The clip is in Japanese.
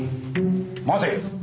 待て。